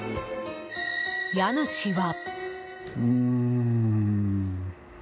家主は。